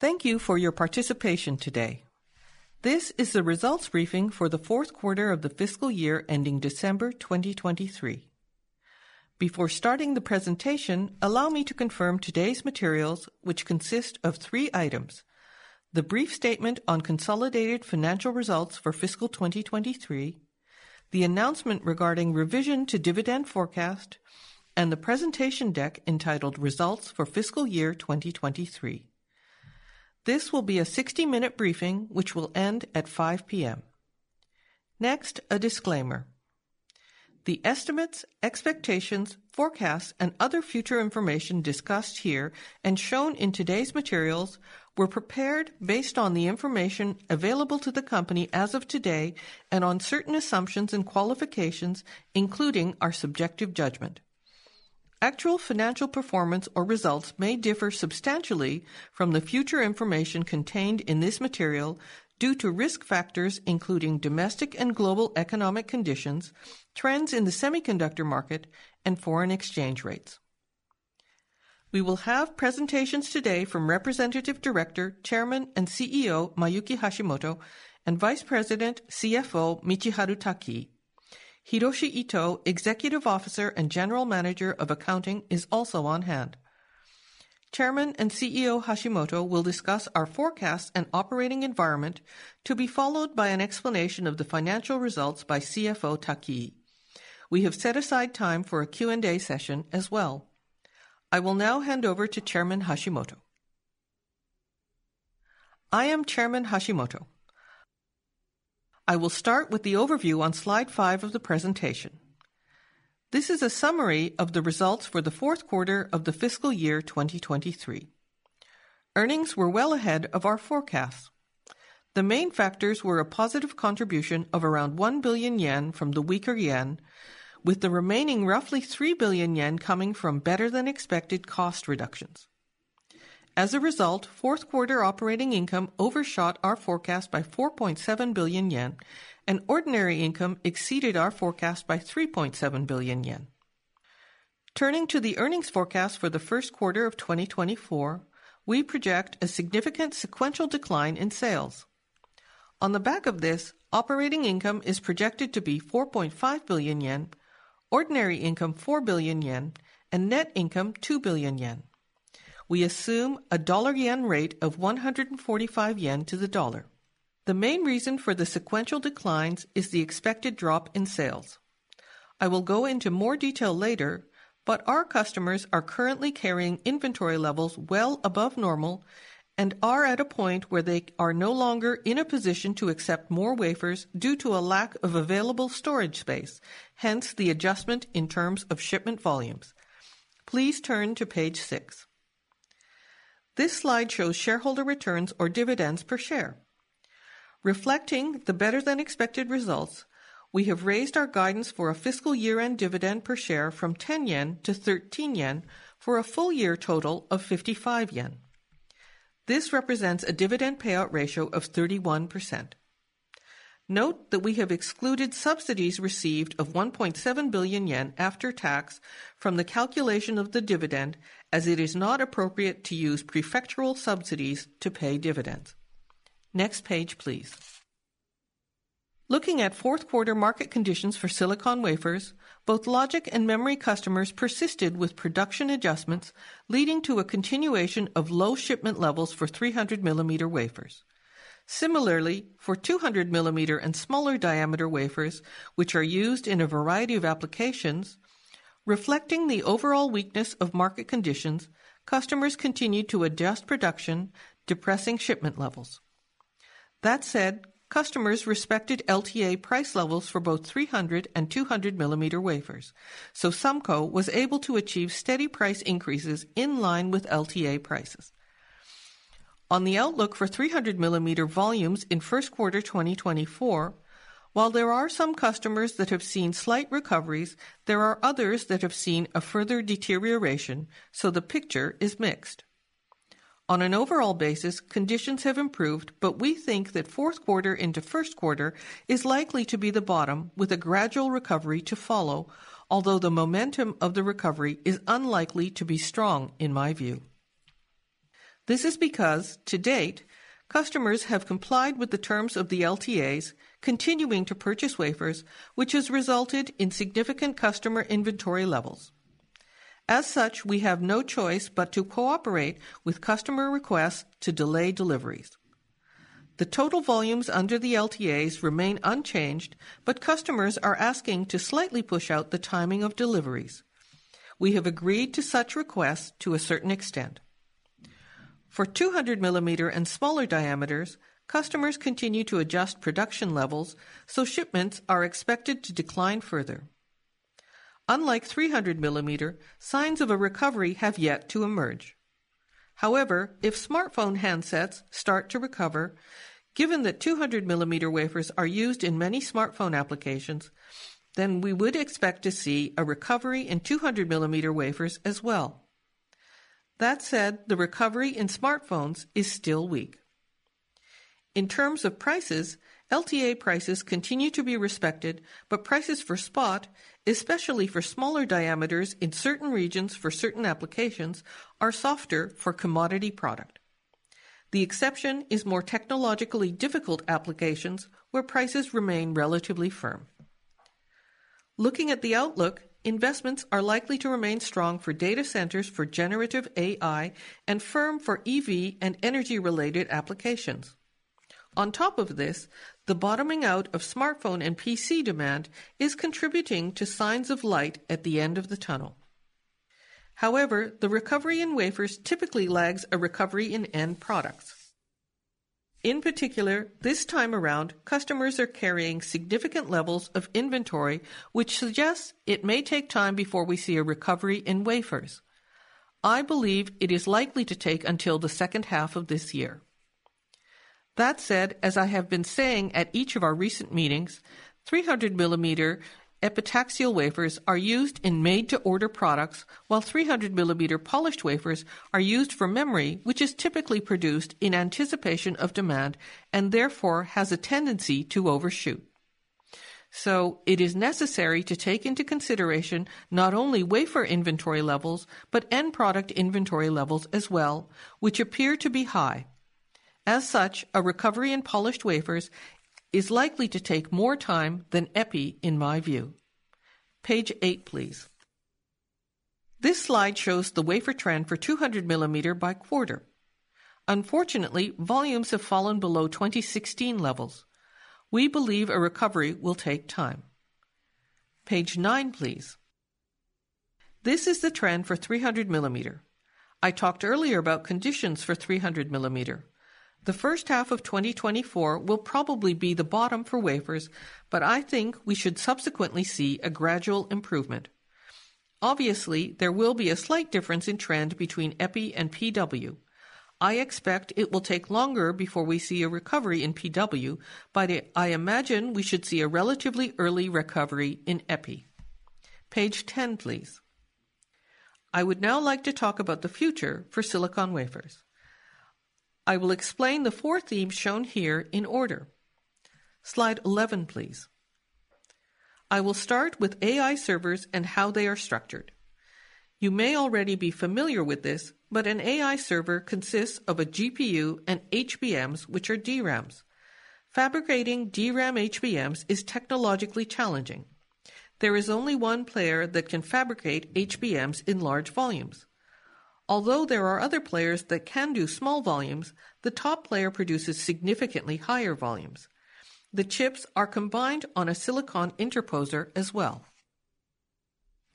Thank you for your participation today. This is the results briefing for the fourth quarter of the fiscal year ending December 2023. Before starting the presentation, allow me to confirm today's materials, which consist of 3 items: the brief statement on consolidated financial results for fiscal 2023, the announcement regarding revision to dividend forecast, and the presentation deck entitled Results for Fiscal Year 2023. This will be a 60-minute briefing which will end at 5:00 P.M. Next, a disclaimer. The estimates, expectations, forecasts, and other future information discussed here and shown in today's materials were prepared based on the information available to the company as of today and on certain assumptions and qualifications, including our subjective judgment. Actual financial performance or results may differ substantially from the future information contained in this material due to risk factors including domestic and global economic conditions, trends in the semiconductor market, and foreign exchange rates. We will have presentations today from Representative Director, Chairman, and CEO Mayuki Hashimoto, and Vice President, CFO Michiharu Takii. Hiroshi Ito, Executive Officer and General Manager of Accounting, is also on hand. Chairman and CEO Hashimoto will discuss our forecast and operating environment to be followed by an explanation of the financial results by CFO Takii. We have set aside time for a Q&A session as well. I will now hand over to Chairman Hashimoto. I am Chairman Hashimoto. I will start with the overview on slide 5 of the presentation. This is a summary of the results for the fourth quarter of the fiscal year 2023. Earnings were well ahead of our forecasts. The main factors were a positive contribution of around 1 billion yen from the weaker yen, with the remaining roughly 3 billion yen coming from better-than-expected cost reductions. As a result, fourth quarter operating income overshot our forecast by 4.7 billion yen, and ordinary income exceeded our forecast by 3.7 billion yen. Turning to the earnings forecast for the first quarter of 2024, we project a significant sequential decline in sales. On the back of this, operating income is projected to be 4.5 billion yen, ordinary income 4 billion yen, and net income 2 billion yen. We assume a dollar-yen rate of 145 yen to the USD. The main reason for the sequential declines is the expected drop in sales. I will go into more detail later, but our customers are currently carrying inventory levels well above normal and are at a point where they are no longer in a position to accept more wafers due to a lack of available storage space, hence the adjustment in terms of shipment volumes. Please turn to page 6. This slide shows shareholder returns or dividends per share. Reflecting the better-than-expected results, we have raised our guidance for a fiscal year-end dividend per share from 10 yen to 13 yen for a full year total of 55 yen. This represents a dividend payout ratio of 31%. Note that we have excluded subsidies received of 1.7 billion yen after tax from the calculation of the dividend as it is not appropriate to use prefectural subsidies to pay dividends. Next page, please. Looking at fourth quarter market conditions for silicon wafers, both logic and memory customers persisted with production adjustments leading to a continuation of low shipment levels for 300-millimeter wafers. Similarly, for 200-millimeter and smaller diameter wafers, which are used in a variety of applications, reflecting the overall weakness of market conditions, customers continued to adjust production, depressing shipment levels. That said, customers respected LTA price levels for both 300 and 200-millimeter wafers, so SUMCO was able to achieve steady price increases in line with LTA prices. On the outlook for 300-mm volumes in first quarter 2024, while there are some customers that have seen slight recoveries, there are others that have seen a further deterioration, so the picture is mixed. On an overall basis, conditions have improved, but we think that fourth quarter into first quarter is likely to be the bottom with a gradual recovery to follow, although the momentum of the recovery is unlikely to be strong in my view. This is because, to date, customers have complied with the terms of the LTAs, continuing to purchase wafers, which has resulted in significant customer inventory levels. As such, we have no choice but to cooperate with customer requests to delay deliveries. The total volumes under the LTAs remain unchanged, but customers are asking to slightly push out the timing of deliveries. We have agreed to such requests to a certain extent. For 200-mm and smaller diameters, customers continue to adjust production levels, so shipments are expected to decline further. Unlike 300-mm, signs of a recovery have yet to emerge. However, if smartphone handsets start to recover, given that 200-mm wafers are used in many smartphone applications, then we would expect to see a recovery in 200-mm wafers as well. That said, the recovery in smartphones is still weak. In terms of prices, LTA prices continue to be respected, but prices for spot, especially for smaller diameters in certain regions for certain applications, are softer for commodity product. The exception is more technologically difficult applications where prices remain relatively firm. Looking at the outlook, investments are likely to remain strong for data centers for generative AI and firm for EV and energy-related applications. On top of this, the bottoming out of smartphone and PC demand is contributing to signs of light at the end of the tunnel. However, the recovery in wafers typically lags a recovery in end products. In particular, this time around, customers are carrying significant levels of inventory, which suggests it may take time before we see a recovery in wafers. I believe it is likely to take until the second half of this year. That said, as I have been saying at each of our recent meetings, 300-mm epitaxial wafers are used in made-to-order products, while 300-mm polished wafers are used for memory, which is typically produced in anticipation of demand and therefore has a tendency to overshoot. So it is necessary to take into consideration not only wafer inventory levels but end product inventory levels as well, which appear to be high. As such, a recovery in polished wafers is likely to take more time than EPI, in my view. Page 8, please. This slide shows the wafer trend for 200-mm by quarter. Unfortunately, volumes have fallen below 2016 levels. We believe a recovery will take time. Page 9, please. This is the trend for 300-millimeter. I talked earlier about conditions for 300-millimeter. The first half of 2024 will probably be the bottom for wafers, but I think we should subsequently see a gradual improvement. Obviously, there will be a slight difference in trend between EPI and PW. I expect it will take longer before we see a recovery in PW, but I imagine we should see a relatively early recovery in EPI. Page 10, please. I would now like to talk about the future for silicon wafers. I will explain the four themes shown here in order. Slide 11, please. I will start with AI servers and how they are structured. You may already be familiar with this, but an AI server consists of a GPU and HBMs, which are DRAMs. Fabricating DRAM HBMs is technologically challenging. There is only one player that can fabricate HBMs in large volumes. Although there are other players that can do small volumes, the top player produces significantly higher volumes. The chips are combined on a silicon interposer as well.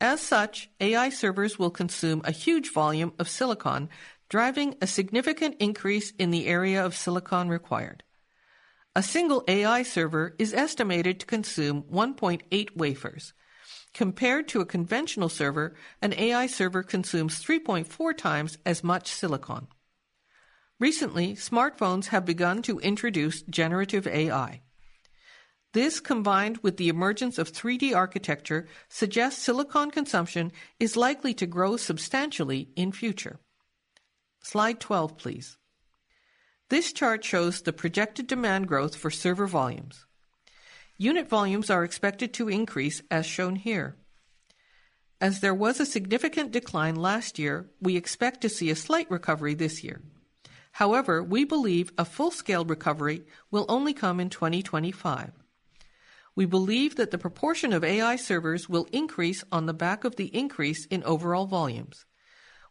As such, AI servers will consume a huge volume of silicon, driving a significant increase in the area of silicon required. A single AI server is estimated to consume 1.8 wafers. Compared to a conventional server, an AI server consumes 3.4 times as much silicon. Recently, smartphones have begun to introduce generative AI. This, combined with the emergence of 3D architecture, suggests silicon consumption is likely to grow substantially in future. Slide 12, please. This chart shows the projected demand growth for server volumes. Unit volumes are expected to increase, as shown here. As there was a significant decline last year, we expect to see a slight recovery this year. However, we believe a full-scale recovery will only come in 2025. We believe that the proportion of AI servers will increase on the back of the increase in overall volumes.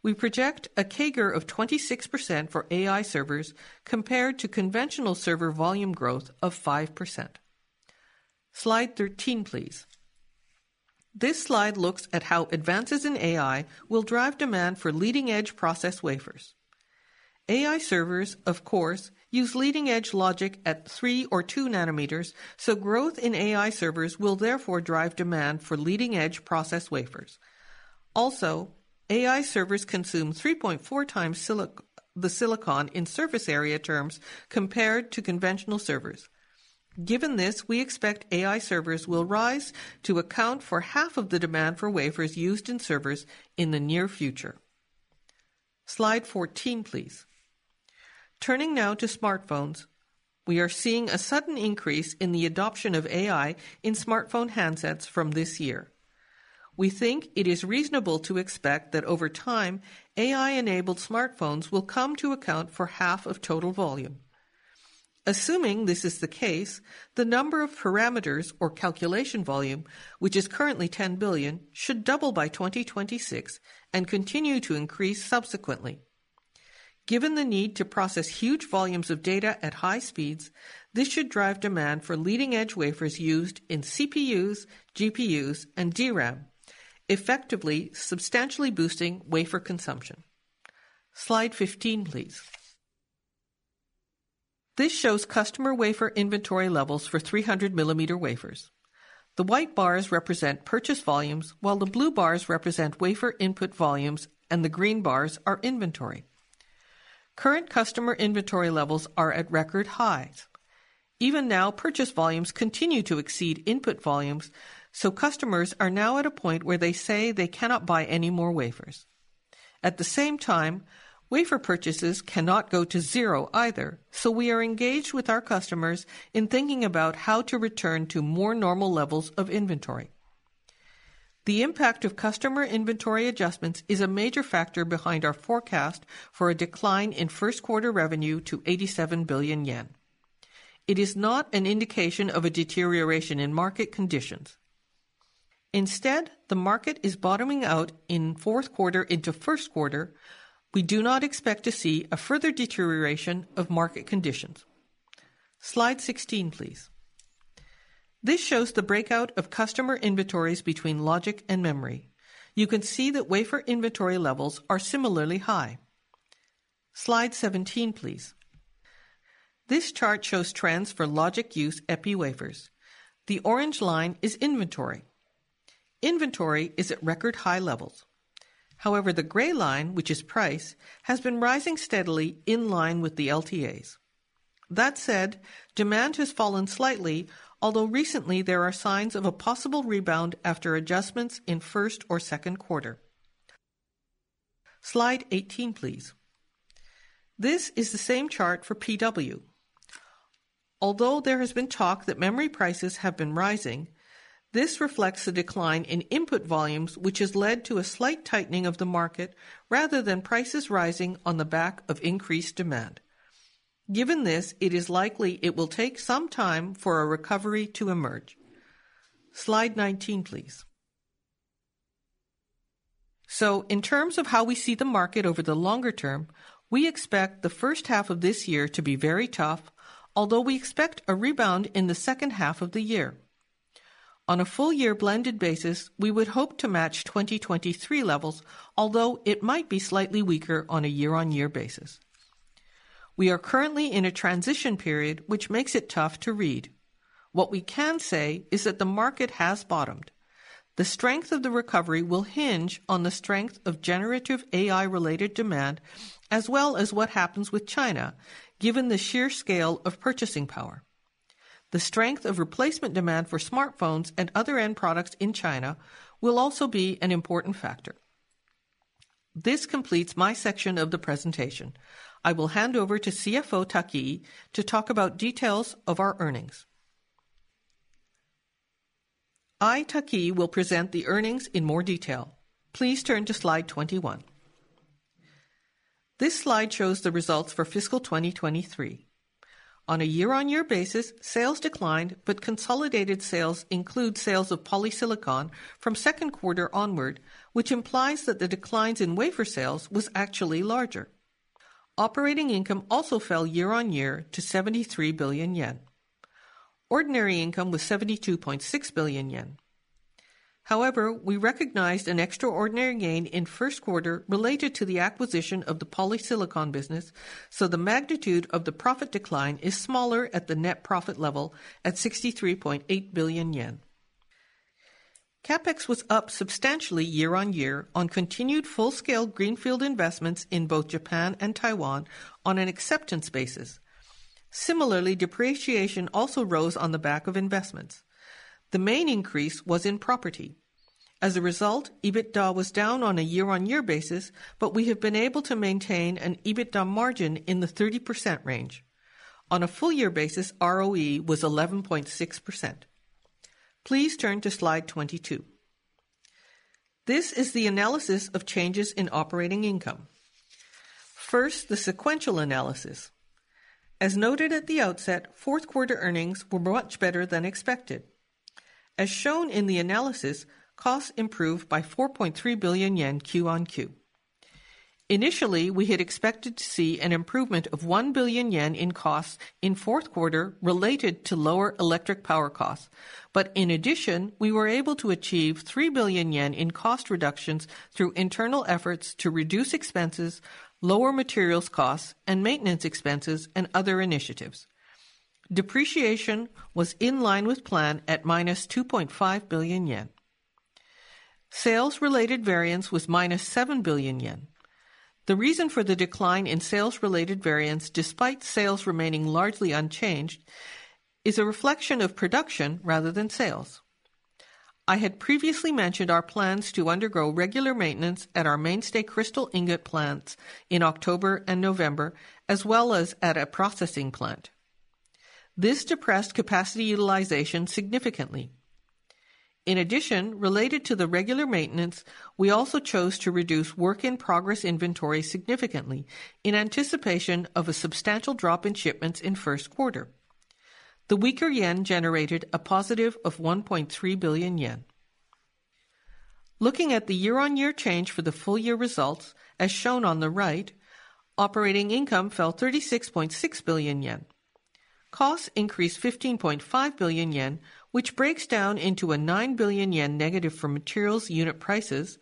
We project a CAGR of 26% for AI servers compared to conventional server volume growth of 5%. Slide 13, please. This slide looks at how advances in AI will drive demand for leading-edge process wafers. AI servers, of course, use leading-edge logic at 3 or 2 nanometers, so growth in AI servers will therefore drive demand for leading-edge process wafers. Also, AI servers consume 3.4 times the silicon in surface area terms compared to conventional servers. Given this, we expect AI servers will rise to account for half of the demand for wafers used in servers in the near future. Slide 14, please. Turning now to smartphones, we are seeing a sudden increase in the adoption of AI in smartphone handsets from this year. We think it is reasonable to expect that over time, AI-enabled smartphones will come to account for half of total volume. Assuming this is the case, the number of parameters or calculation volume, which is currently 10 billion, should double by 2026 and continue to increase subsequently. Given the need to process huge volumes of data at high speeds, this should drive demand for leading-edge wafers used in CPUs, GPUs, and DRAM, effectively substantially boosting wafer consumption. Slide 15, please. This shows customer wafer inventory levels for 300-millimeter wafers. The white bars represent purchase volumes, while the blue bars represent wafer input volumes, and the green bars are inventory. Current customer inventory levels are at record highs. Even now, purchase volumes continue to exceed input volumes, so customers are now at a point where they say they cannot buy any more wafers. At the same time, wafer purchases cannot go to zero either, so we are engaged with our customers in thinking about how to return to more normal levels of inventory. The impact of customer inventory adjustments is a major factor behind our forecast for a decline in first quarter revenue to 87 billion yen. It is not an indication of a deterioration in market conditions. Instead, the market is bottoming out in fourth quarter into first quarter. We do not expect to see a further deterioration of market conditions. Slide 16, please. This shows the breakdown of customer inventories between logic and memory. You can see that wafer inventory levels are similarly high. Slide 17, please. This chart shows trends for logic-use EPI wafers. The orange line is inventory. Inventory is at record high levels. However, the gray line, which is price, has been rising steadily in line with the LTAs. That said, demand has fallen slightly, although recently there are signs of a possible rebound after adjustments in first or second quarter. Slide 18, please. This is the same chart for PW. Although there has been talk that memory prices have been rising, this reflects a decline in input volumes, which has led to a slight tightening of the market rather than prices rising on the back of increased demand. Given this, it is likely it will take some time for a recovery to emerge. Slide 19, please. In terms of how we see the market over the longer term, we expect the first half of this year to be very tough, although we expect a rebound in the second half of the year. On a full-year blended basis, we would hope to match 2023 levels, although it might be slightly weaker on a year-on-year basis. We are currently in a transition period, which makes it tough to read. What we can say is that the market has bottomed. The strength of the recovery will hinge on the strength of generative AI-related demand as well as what happens with China, given the sheer scale of purchasing power. The strength of replacement demand for smartphones and other end products in China will also be an important factor. This completes my section of the presentation. I will hand over to CFO Takii to talk about details of our earnings. I, Takii, will present the earnings in more detail. Please turn to slide 21. This slide shows the results for fiscal 2023. On a year-on-year basis, sales declined, but consolidated sales include sales of polysilicon from second quarter onward, which implies that the declines in wafer sales were actually larger. Operating income also fell year-on-year to 73 billion yen. Ordinary income was 72.6 billion yen. However, we recognized an extraordinary gain in first quarter related to the acquisition of the polysilicon business, so the magnitude of the profit decline is smaller at the net profit level at 63.8 billion yen. CapEx was up substantially year-on-year on continued full-scale greenfield investments in both Japan and Taiwan on an acceptance basis. Similarly, depreciation also rose on the back of investments. The main increase was in property. As a result, EBITDA was down on a year-on-year basis, but we have been able to maintain an EBITDA margin in the 30% range. On a full-year basis, ROE was 11.6%. Please turn to slide 22. This is the analysis of changes in operating income. First, the sequential analysis. As noted at the outset, fourth quarter earnings were much better than expected. As shown in the analysis, costs improved by 4.3 billion yen Q-on-Q. Initially, we had expected to see an improvement of 1 billion yen in costs in fourth quarter related to lower electric power costs, but in addition, we were able to achieve 3 billion yen in cost reductions through internal efforts to reduce expenses, lower materials costs, and maintenance expenses and other initiatives. Depreciation was in line with plan at -2.5 billion yen. Sales-related variance was -7 billion yen. The reason for the decline in sales-related variance, despite sales remaining largely unchanged, is a reflection of production rather than sales. I had previously mentioned our plans to undergo regular maintenance at our mainstay crystal ingot plants in October and November, as well as at a processing plant. This depressed capacity utilization significantly. In addition, related to the regular maintenance, we also chose to reduce work-in-progress inventory significantly in anticipation of a substantial drop in shipments in first quarter. The weaker yen generated a positive of 1.3 billion yen. Looking at the year-on-year change for the full-year results, as shown on the right, operating income fell 36.6 billion yen. Costs increased 15.5 billion yen, which breaks down into a 9 billion yen negative from materials unit prices,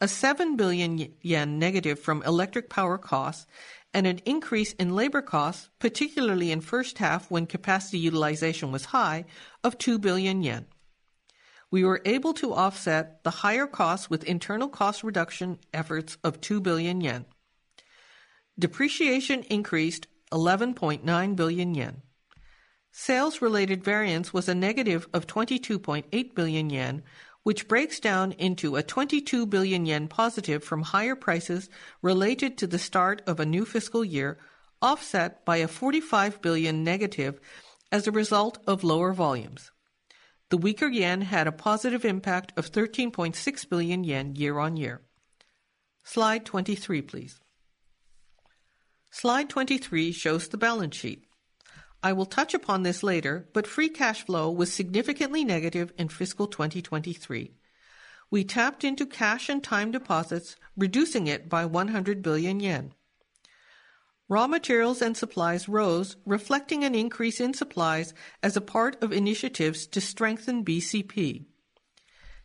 a 7 billion yen negative from electric power costs, and an increase in labor costs, particularly in first half when capacity utilization was high, of 2 billion yen. We were able to offset the higher costs with internal cost reduction efforts of 2 billion yen. Depreciation increased 11.9 billion yen. Sales-related variance was a negative of 22.8 billion yen, which breaks down into a 22 billion yen positive from higher prices related to the start of a new fiscal year offset by a 45 billion negative as a result of lower volumes. The weaker yen had a positive impact of 13.6 billion yen year-on-year. Slide 23, please. Slide 23 shows the balance sheet. I will touch upon this later, but free cash flow was significantly negative in fiscal 2023. We tapped into cash and time deposits, reducing it by 100 billion yen. Raw materials and supplies rose, reflecting an increase in supplies as a part of initiatives to strengthen BCP.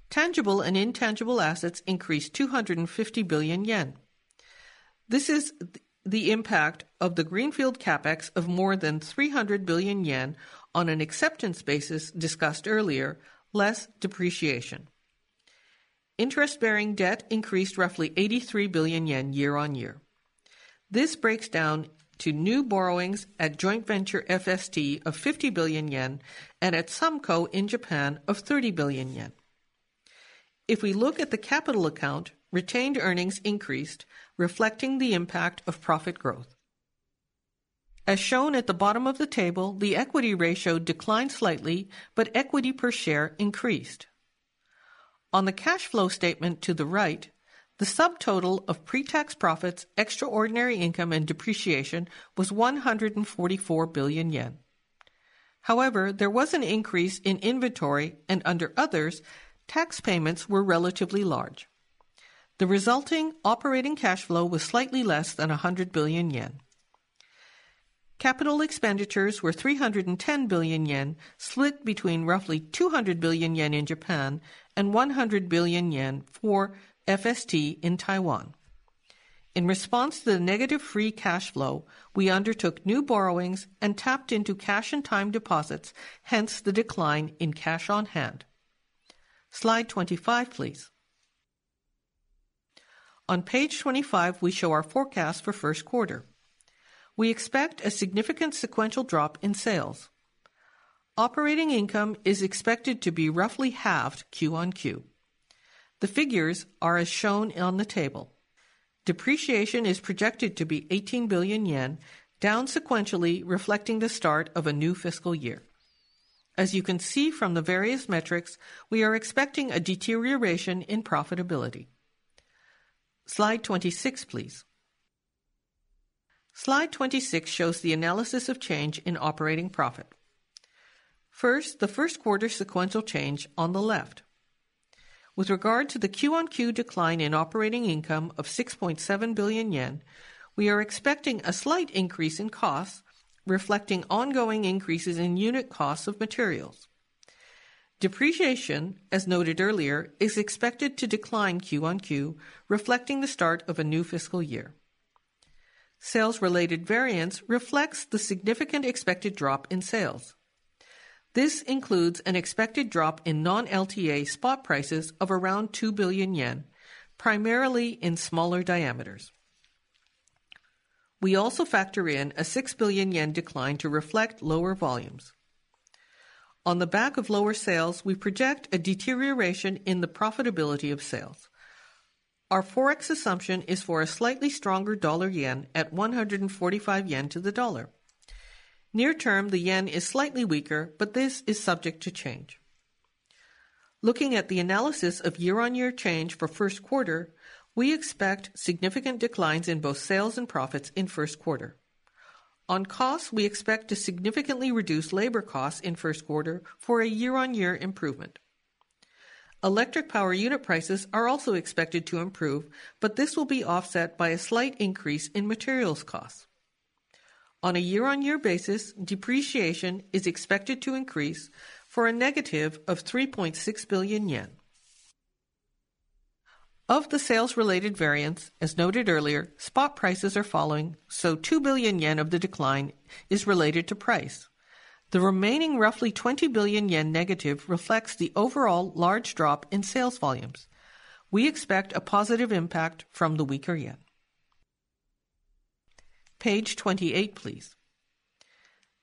Tangible and intangible assets increased 250 billion yen. This is the impact of the greenfield CapEx of more than 300 billion yen on an acceptance basis discussed earlier, less depreciation. Interest-bearing debt increased roughly 83 billion yen year-on-year. This breaks down to new borrowings at joint venture FST of 50 billion yen and at Sumco in Japan of 30 billion yen. If we look at the capital account, retained earnings increased, reflecting the impact of profit growth. As shown at the bottom of the table, the equity ratio declined slightly, but equity per share increased. On the cash flow statement to the right, the subtotal of pre-tax profits, extraordinary income, and depreciation was 144 billion yen. However, there was an increase in inventory, and under others, tax payments were relatively large. The resulting operating cash flow was slightly less than 100 billion yen. Capital expenditures were 310 billion yen, split between roughly 200 billion yen in Japan and 100 billion yen for FST in Taiwan. In response to the negative free cash flow, we undertook new borrowings and tapped into cash and time deposits, hence the decline in cash on hand. Slide 25, please. On page 25, we show our forecast for first quarter. We expect a significant sequential drop in sales. Operating income is expected to be roughly halved Q-on-Q. The figures are as shown on the table. Depreciation is projected to be 18 billion yen, down sequentially, reflecting the start of a new fiscal year. As you can see from the various metrics, we are expecting a deterioration in profitability. Slide 26, please. Slide 26 shows the analysis of change in operating profit. First, the first quarter sequential change on the left. With regard to the Q-on-Q decline in operating income of 6.7 billion yen, we are expecting a slight increase in costs, reflecting ongoing increases in unit costs of materials. Depreciation, as noted earlier, is expected to decline Q-on-Q, reflecting the start of a new fiscal year. Sales-related variance reflects the significant expected drop in sales. This includes an expected drop in non-LTA spot prices of around 2 billion yen, primarily in smaller diameters. We also factor in a 6 billion yen decline to reflect lower volumes. On the back of lower sales, we project a deterioration in the profitability of sales. Our forex assumption is for a slightly stronger dollar yen at 145 yen to the dollar. Near term, the yen is slightly weaker, but this is subject to change. Looking at the analysis of year-on-year change for first quarter, we expect significant declines in both sales and profits in first quarter. On costs, we expect to significantly reduce labor costs in first quarter for a year-on-year improvement. Electric power unit prices are also expected to improve, but this will be offset by a slight increase in materials costs. On a year-on-year basis, depreciation is expected to increase for a negative of 3.6 billion yen. Of the sales-related variance, as noted earlier, spot prices are following, so 2 billion yen of the decline is related to price. The remaining roughly 20 billion yen negative reflects the overall large drop in sales volumes. We expect a positive impact from the weaker yen. Page 28, please.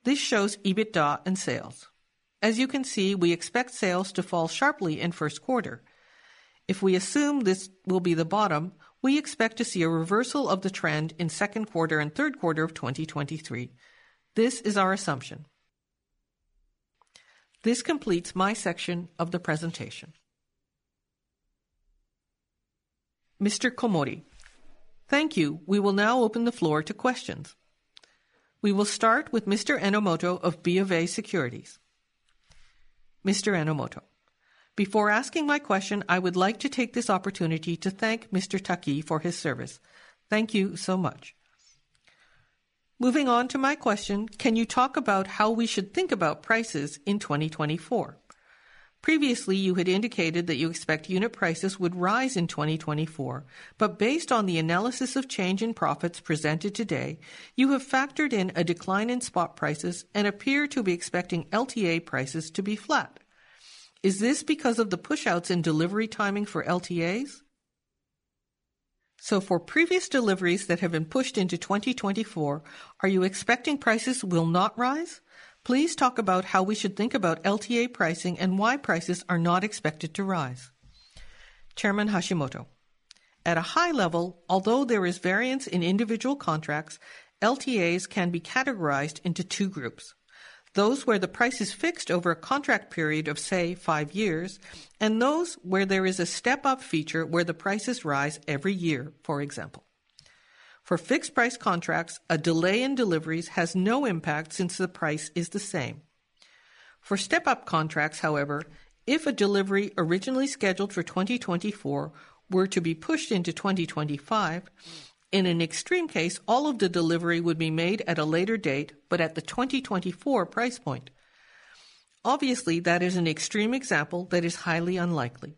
This shows EBITDA and sales. As you can see, we expect sales to fall sharply in first quarter. If we assume this will be the bottom, we expect to see a reversal of the trend in second quarter and third quarter of 2023. This is our assumption. This completes my section of the presentation. Thank you. We will now open the floor to questions. We will start with Mr. Enomoto of BofA Securities. Before asking my question, I would like to take this opportunity to thank Mr. Takii for his service. Thank you so much. Moving on to my question, can you talk about how we should think about prices in 2024? Previously, you had indicated that you expect unit prices would rise in 2024, but based on the analysis of change in profits presented today, you have factored in a decline in spot prices and appear to be expecting LTA prices to be flat. Is this because of the push-outs in delivery timing for LTAs? So for previous deliveries that have been pushed into 2024, are you expecting prices will not rise? Please talk about how we should think about LTA pricing and why prices are not expected to rise. At a high level, although there is variance in individual contracts, LTAs can be categorized into two groups: those where the price is fixed over a contract period of, say, five years, and those where there is a step-up feature where the prices rise every year, for example. For fixed-price contracts, a delay in deliveries has no impact since the price is the same. For step-up contracts, however, if a delivery originally scheduled for 2024 were to be pushed into 2025, in an extreme case, all of the delivery would be made at a later date but at the 2024 price point. Obviously, that is an extreme example that is highly unlikely.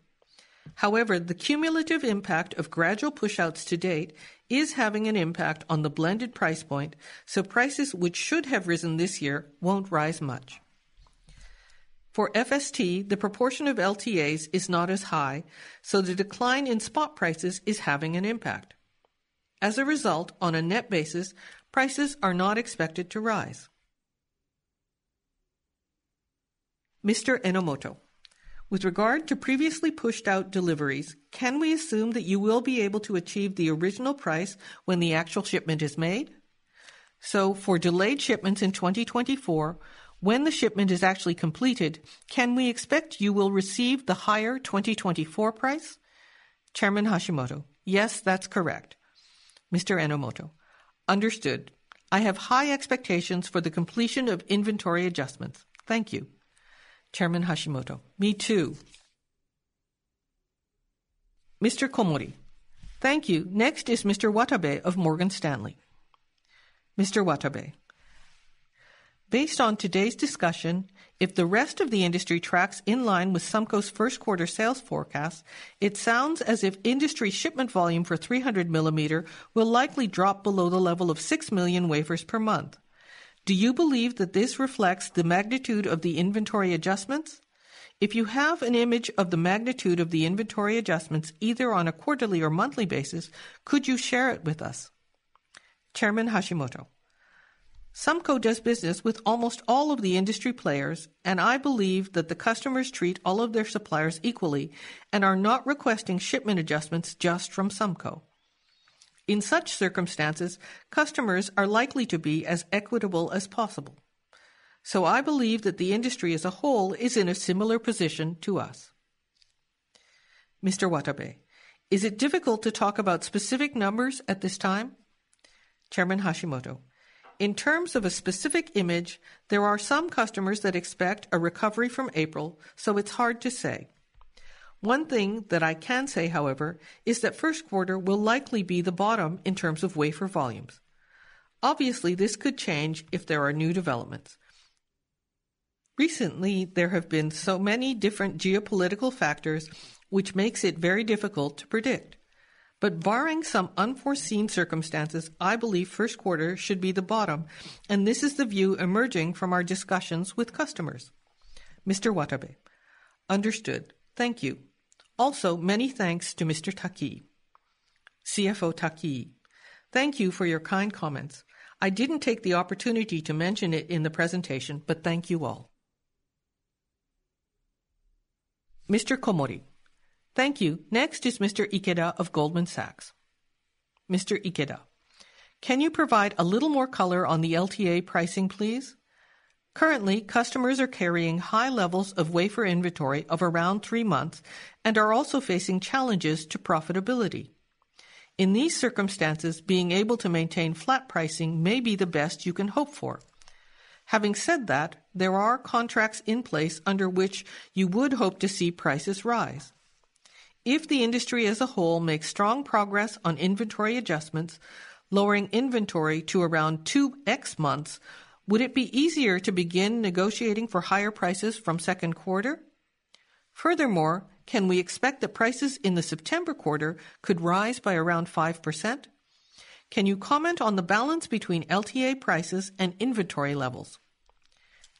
However, the cumulative impact of gradual push-outs to date is having an impact on the blended price point, so prices which should have risen this year won't rise much. For FST, the proportion of LTAs is not as high, so the decline in spot prices is having an impact. As a result, on a net basis, prices are not expected to rise. With regard to previously pushed-out deliveries, can we assume that you will be able to achieve the original price when the actual shipment is made? So for delayed shipments in 2024, when the shipment is actually completed, can we expect you will receive the higher 2024 price? Yes, that's correct. Understood. I have high expectations for the completion of inventory adjustments. Thank you. Me too. Thank you. Next is Mr. Watabe of Morgan Stanley. Based on today's discussion, if the rest of the industry tracks in line with SUMCO's first quarter sales forecast, it sounds as if industry shipment volume for 300-millimeter will likely drop below the level of 6 million wafers per month. Do you believe that this reflects the magnitude of the inventory adjustments? If you have an image of the magnitude of the inventory adjustments either on a quarterly or monthly basis, could you share it with us? Sumco does business with almost all of the industry players, and I believe that the customers treat all of their suppliers equally and are not requesting shipment adjustments just from Sumco. In such circumstances, customers are likely to be as equitable as possible. So I believe that the industry as a whole is in a similar position to us. Is it difficult to talk about specific numbers at this time? In terms of a specific image, there are some customers that expect a recovery from April, so it's hard to say. One thing that I can say, however, is that first quarter will likely be the bottom in terms of wafer volumes. Obviously, this could change if there are new developments. Recently, there have been so many different geopolitical factors which make it very difficult to predict. But barring some unforeseen circumstances, I believe first quarter should be the bottom, and this is the view emerging from our discussions with customers. Understood. Thank you. Also, many thanks to Mr. Takii. Thank you for your kind comments. I didn't take the opportunity to mention it in the presentation, but thank you all. Thank you. Next is Mr. Ikeda of Goldman Sachs. Can you provide a little more color on the LTA pricing, please? Currently, customers are carrying high levels of wafer inventory of around three months and are also facing challenges to profitability. In these circumstances, being able to maintain flat pricing may be the best you can hope for. Having said that, there are contracts in place under which you would hope to see prices rise. If the industry as a whole makes strong progress on inventory adjustments, lowering inventory to around 2x months, would it be easier to begin negotiating for higher prices from second quarter? Furthermore, can we expect that prices in the September quarter could rise by around 5%? Can you comment on the balance between LTA prices and inventory levels?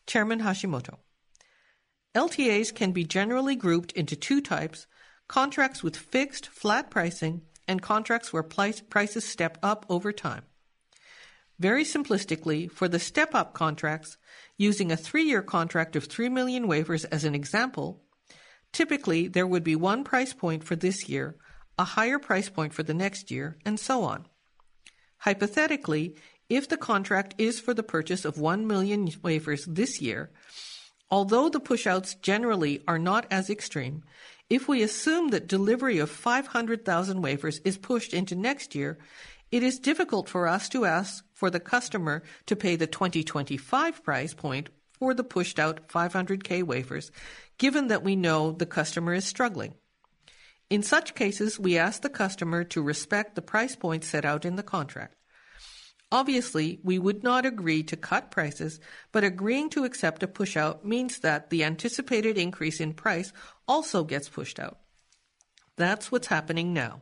LTAs can be generally grouped into two types: contracts with fixed, flat pricing and contracts where prices step up over time. Very simplistically, for the step-up contracts, using a 3-year contract of 3 million wafers as an example, typically there would be one price point for this year, a higher price point for the next year, and so on. Hypothetically, if the contract is for the purchase of 1 million wafers this year, although the push-outs generally are not as extreme, if we assume that delivery of 500,000 wafers is pushed into next year, it is difficult for us to ask for the customer to pay the 2025 price point for the pushed-out 500,000 wafers, given that we know the customer is struggling. In such cases, we ask the customer to respect the price point set out in the contract. Obviously, we would not agree to cut prices, but agreeing to accept a push-out means that the anticipated increase in price also gets pushed out. That's what's happening now.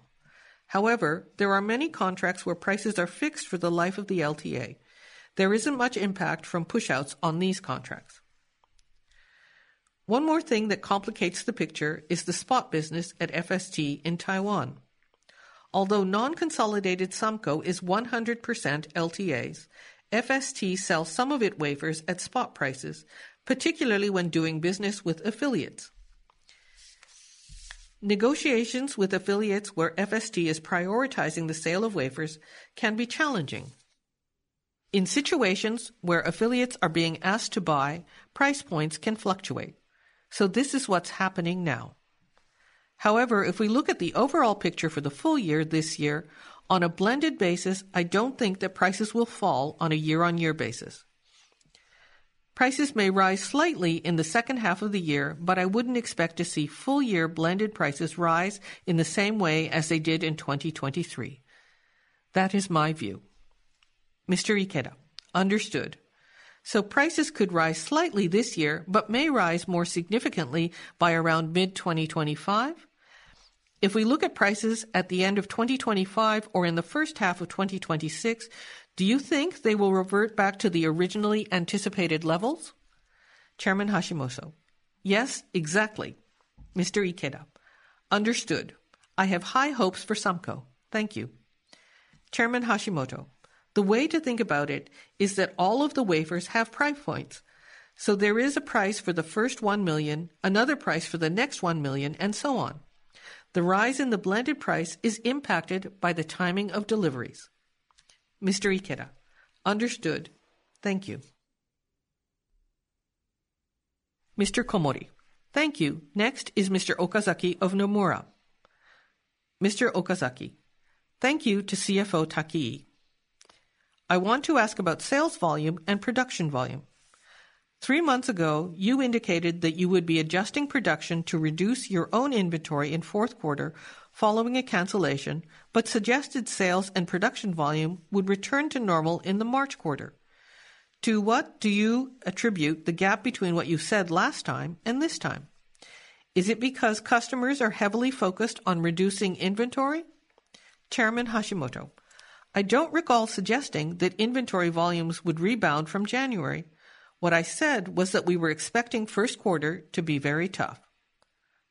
However, there are many contracts where prices are fixed for the life of the LTA. There isn't much impact from push-outs on these contracts. One more thing that complicates the picture is the spot business at FST in Taiwan. Although non-consolidated SUMCO is 100% LTAs, FST sells some of its wafers at spot prices, particularly when doing business with affiliates. Negotiations with affiliates where FST is prioritizing the sale of wafers can be challenging. In situations where affiliates are being asked to buy, price points can fluctuate. So this is what's happening now. However, if we look at the overall picture for the full year this year, on a blended basis, I don't think that prices will fall on a year-on-year basis. Prices may rise slightly in the second half of the year, but I wouldn't expect to see full-year blended prices rise in the same way as they did in 2023. That is my view. Understood. So prices could rise slightly this year but may rise more significantly by around mid-2025? If we look at prices at the end of 2025 or in the first half of 2026, do you think they will revert back to the originally anticipated levels? Yes, exactly. Understood. I have high hopes for SUMCO. Thank you. The way to think about it is that all of the wafers have price points. So there is a price for the first 1 million, another price for the next 1 million, and so on. The rise in the blended price is impacted by the timing of deliveries. Understood. Thank you. Thank you. Next is Mr. Okazaki of Nomura. Thank you to CFO Takii. I want to ask about sales volume and production volume. Three months ago, you indicated that you would be adjusting production to reduce your own inventory in fourth quarter following a cancellation but suggested sales and production volume would return to normal in the March quarter. To what do you attribute the gap between what you said last time and this time? Is it because customers are heavily focused on reducing inventory? I don't recall suggesting that inventory volumes would rebound from January. What I said was that we were expecting first quarter to be very tough.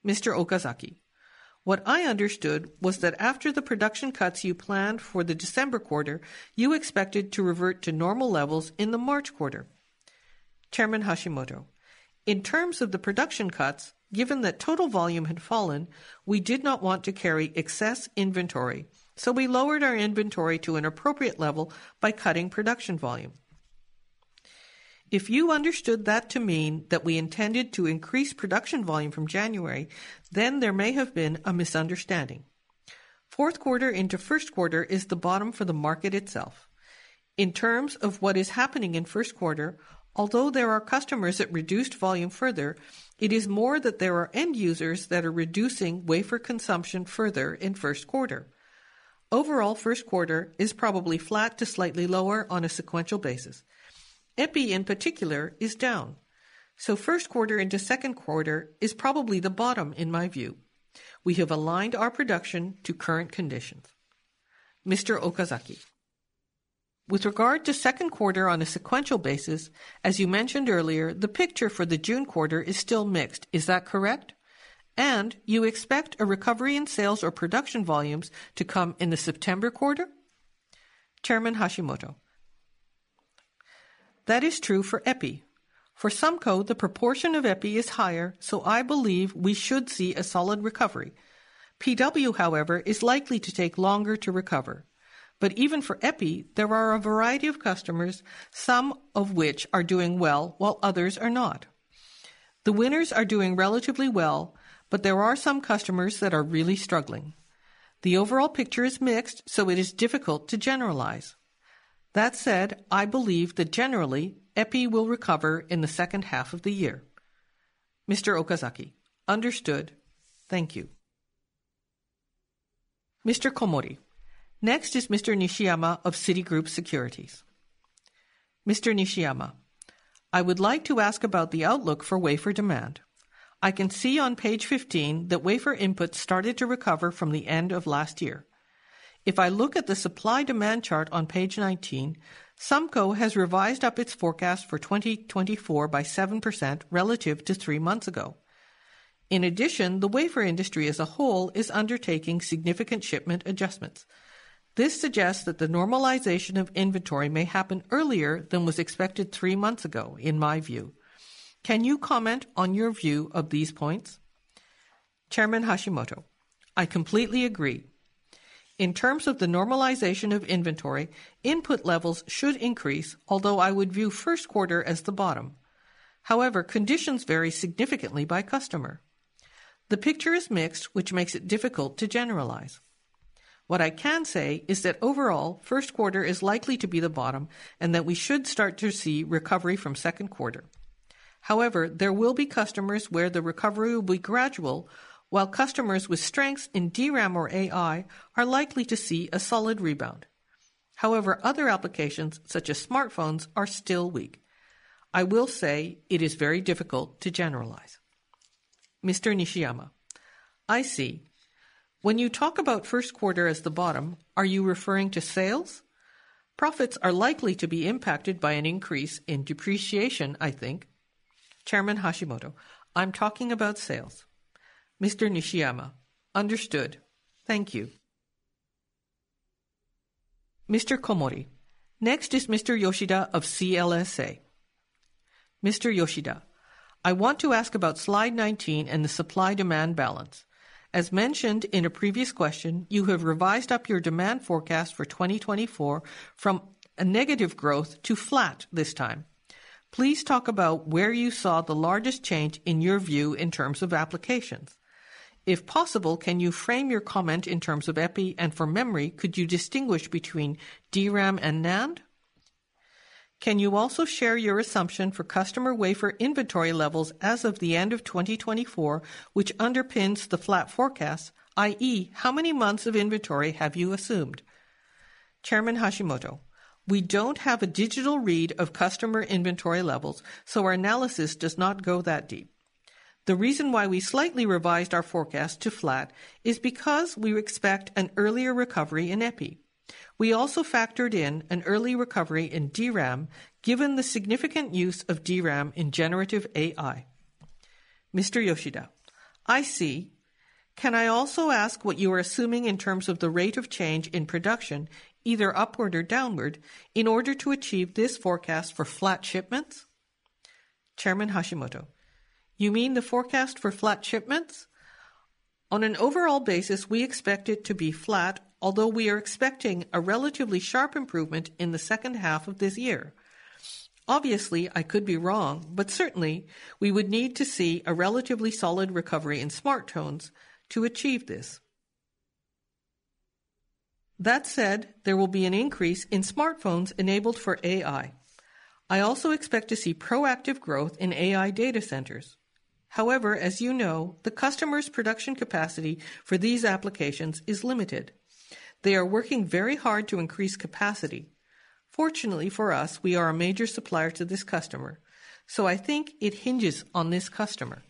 What I understood was that after the production cuts you planned for the December quarter, you expected to revert to normal levels in the March quarter. In terms of the production cuts, given that total volume had fallen, we did not want to carry excess inventory, so we lowered our inventory to an appropriate level by cutting production volume. If you understood that to mean that we intended to increase production volume from January, then there may have been a misunderstanding. Fourth quarter into first quarter is the bottom for the market itself. In terms of what is happening in first quarter, although there are customers that reduced volume further, it is more that there are end users that are reducing wafer consumption further in first quarter. Overall, first quarter is probably flat to slightly lower on a sequential basis. EPI, in particular, is down. So first quarter into second quarter is probably the bottom in my view. We have aligned our production to current conditions. With regard to second quarter on a sequential basis, as you mentioned earlier, the picture for the June quarter is still mixed. Is that correct? You expect a recovery in sales or production volumes to come in the September quarter? That is true for EPI. For Sumco, the proportion of EPI is higher, so I believe we should see a solid recovery. PW, however, is likely to take longer to recover. Even for EPI, there are a variety of customers, some of which are doing well while others are not. The winners are doing relatively well, but there are some customers that are really struggling. The overall picture is mixed, so it is difficult to generalize. That said, I believe that generally, EPI will recover in the second half of the year. Understood. Thank you. Next is Mr. Nishiyama of Citigroup Securities. I would like to ask about the outlook for wafer demand. I can see on page 15 that wafer input started to recover from the end of last year. If I look at the supply-demand chart on page 19, SUMCO has revised up its forecast for 2024 by 7% relative to three months ago. In addition, the wafer industry as a whole is undertaking significant shipment adjustments. This suggests that the normalization of inventory may happen earlier than was expected three months ago, in my view. Can you comment on your view of these points? I completely agree. In terms of the normalization of inventory, input levels should increase, although I would view first quarter as the bottom. However, conditions vary significantly by customer. The picture is mixed, which makes it difficult to generalize. What I can say is that overall, first quarter is likely to be the bottom and that we should start to see recovery from second quarter. However, there will be customers where the recovery will be gradual, while customers with strengths in DRAM or AI are likely to see a solid rebound. However, other applications such as smartphones are still weak. I will say it is very difficult to generalize. I see. When you talk about first quarter as the bottom, are you referring to sales? Profits are likely to be impacted by an increase in depreciation, I think. I'm talking about sales. Understood. Thank you. Next is Mr. Yoshida of CLSA. I want to ask about slide 19 and the supply-demand balance. As mentioned in a previous question, you have revised up your demand forecast for 2024 from a negative growth to flat this time. Please talk about where you saw the largest change in your view in terms of applications. If possible, can you frame your comment in terms of EPI? And for memory, could you distinguish between DRAM and NAND? Can you also share your assumption for customer wafer inventory levels as of the end of 2024, which underpins the flat forecast, i.e., how many months of inventory have you assumed? We don't have a digital read of customer inventory levels, so our analysis does not go that deep. The reason why we slightly revised our forecast to flat is because we expect an earlier recovery in EPI. We also factored in an early recovery in DRAM given the significant use of DRAM in generative AI. I see. Can I also ask what you are assuming in terms of the rate of change in production, either upward or downward, in order to achieve this forecast for flat shipments? You mean the forecast for flat shipments? On an overall basis, we expect it to be flat, although we are expecting a relatively sharp improvement in the second half of this year. Obviously, I could be wrong, but certainly, we would need to see a relatively solid recovery in smartphones to achieve this. That said, there will be an increase in smartphones enabled for AI. I also expect to see proactive growth in AI data centers. However, as you know, the customer's production capacity for these applications is limited. They are working very hard to increase capacity. Fortunately for us, we are a major supplier to this customer, so I think it hinges on this customer.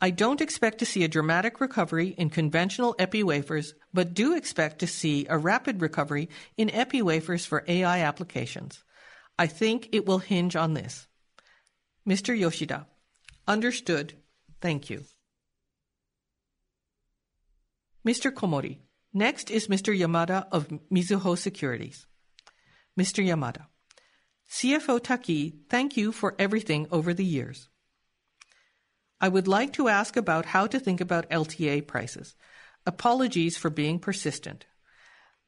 I don't expect to see a dramatic recovery in conventional EPI wafers, but do expect to see a rapid recovery in EPI wafers for AI applications. I think it will hinge on this. Understood. Thank you. Next is Mr. Yamada of Mizuho Securities. CFO Takii, thank you for everything over the years. I would like to ask about how to think about LTA prices. Apologies for being persistent.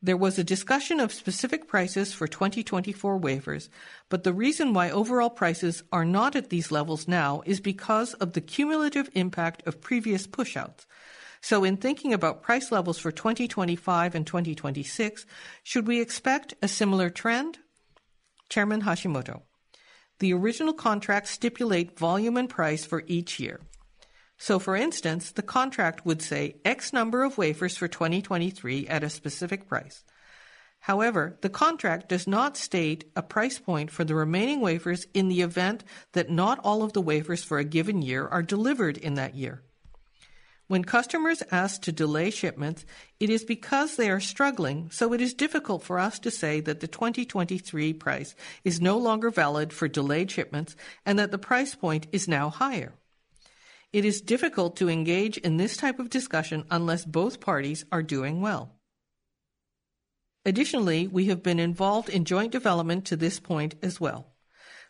There was a discussion of specific prices for 2024 wafers, but the reason why overall prices are not at these levels now is because of the cumulative impact of previous push-outs. So in thinking about price levels for 2025 and 2026, should we expect a similar trend? The original contracts stipulate volume and price for each year. So, for instance, the contract would say X number of wafers for 2023 at a specific price. However, the contract does not state a price point for the remaining wafers in the event that not all of the wafers for a given year are delivered in that year. When customers ask to delay shipments, it is because they are struggling, so it is difficult for us to say that the 2023 price is no longer valid for delayed shipments and that the price point is now higher. It is difficult to engage in this type of discussion unless both parties are doing well. Additionally, we have been involved in joint development to this point as well.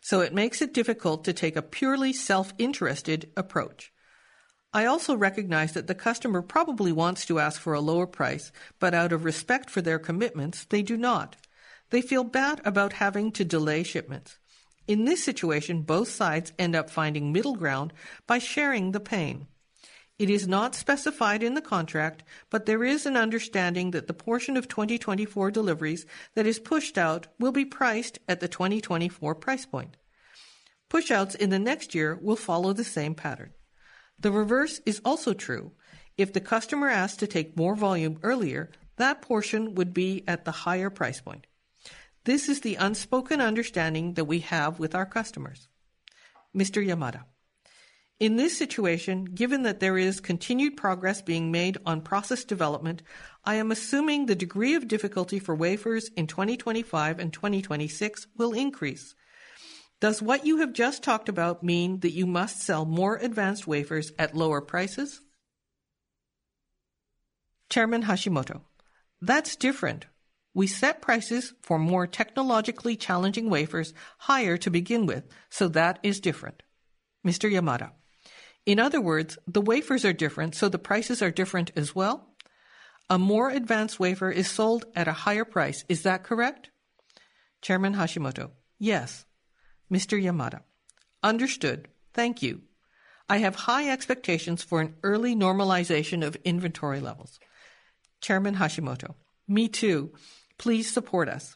So it makes it difficult to take a purely self-interested approach. I also recognize that the customer probably wants to ask for a lower price, but out of respect for their commitments, they do not. They feel bad about having to delay shipments. In this situation, both sides end up finding middle ground by sharing the pain. It is not specified in the contract, but there is an understanding that the portion of 2024 deliveries that is pushed out will be priced at the 2024 price point. Push-outs in the next year will follow the same pattern. The reverse is also true. If the customer asked to take more volume earlier, that portion would be at the higher price point. This is the unspoken understanding that we have with our customers. In this situation, given that there is continued progress being made on process development, I am assuming the degree of difficulty for wafers in 2025 and 2026 will increase. Does what you have just talked about mean that you must sell more advanced wafers at lower prices? That's different. We set prices for more technologically challenging wafers higher to begin with, so that is different. In other words, the wafers are different, so the prices are different as well? A more advanced wafer is sold at a higher price. Is that correct? Yes. Understood. Thank you. I have high expectations for an early normalization of inventory levels. Me too. Please support us.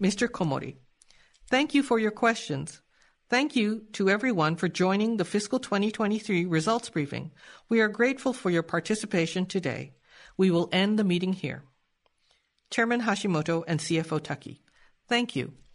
Thank you for your questions. Thank you to everyone for joining the fiscal 2023 results briefing. We are grateful for your participation today. We will end the meeting here. Thank you.